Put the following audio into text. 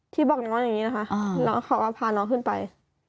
บอกน้องอย่างนี้นะคะน้องเขาก็พาน้องขึ้นไป